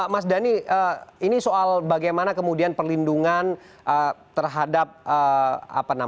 mas dhani ini soal bagaimana kemudian perlindungan terhadap apa namanya